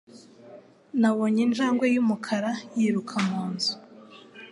Nabonye injangwe yumukara yiruka munzu.